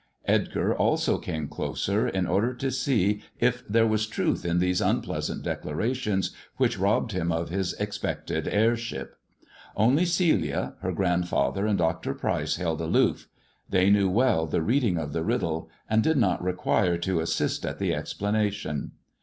Edgar also came closer, in order to see if there was truth in these unpleasant declarations which robbed him of his expected heirship. Only Celia, her grandfather, and Dr. Pryce held aloof ; they knew well the reading of the riddle, and did not require to assist at the explanation.